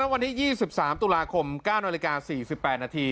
นั้นวันนี้ยี่สิบสามตุลาคมก้านวันละกาสี่สิบแปดนาที